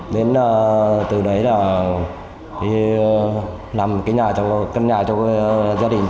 đến từ đấy là làm cái căn nhà cho gia đình